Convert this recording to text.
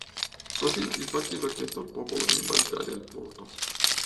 Così il partito ha chiesto al popolo di invalidare il voto.